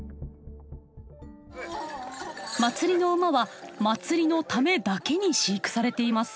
祭りの馬は祭りのためだけに飼育されています。